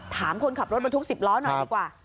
ถามคนขับรถบรรทุก๑๐ล้อหน่อยดีกว่า